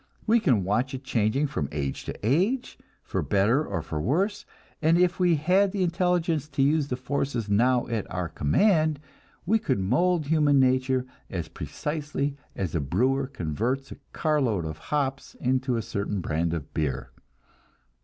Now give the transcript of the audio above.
We can watch it changing from age to age, for better or for worse, and if we had the intelligence to use the forces now at our command, we could mold human nature, as precisely as a brewer converts a carload of hops into a certain brand of beer.